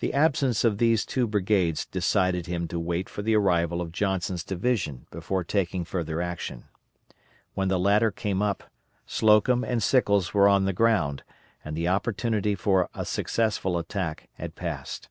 The absence of these two brigades decided him to wait for the arrival of Johnson's division before taking further action. When the latter came up, Slocum and Sickles were on the ground, and the opportunity for a successful attack had passed.